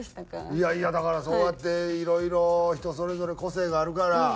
いやいやだからそうやっていろいろ人それぞれ個性があるから。